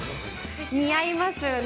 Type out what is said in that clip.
似合いますよね。